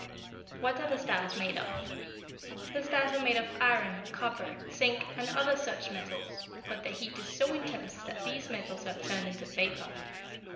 WHAT ARE THE STARS MADE OF? "The stars are made of iron, copper, zinc, and other such metals, but the heat is so intense that these metals are turned into vapor.